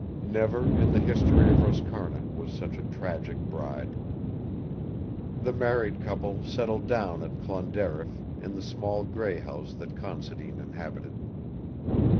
Never in the history of Roscarna was such a tragic bride. The married couple settled down at Clonderriff in the small grey house that Considine inhabited.